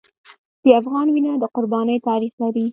د افغان وینه د قربانۍ تاریخ لري.